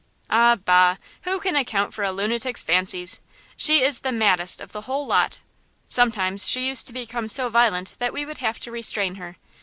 "Ah, bah! who can account for a lunatic's fancies? She is the maddest of the whole lot. Sometimes she used to become so violent that we would have to restrain her.